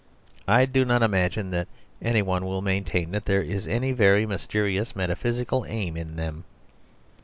I do not imagine that any one will maintain that there is any very mysterious metaphysical aim in them.